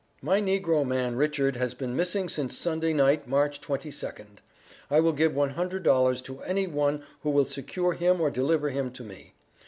My negro man Richard has been missing since Sunday night, March 22d. I will give $100 to any one who will secure him or deliver him to me.